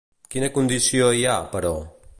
Quina condició hi ha, però?